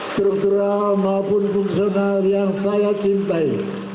struktural maupun fungsional yang saya cintai